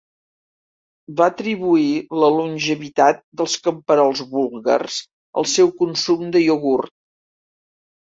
Va atribuir la longevitat dels camperols búlgars al seu consum de iogurt.